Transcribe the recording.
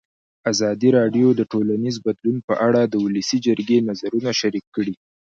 ازادي راډیو د ټولنیز بدلون په اړه د ولسي جرګې نظرونه شریک کړي.